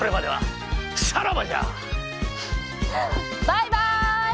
バイバイ！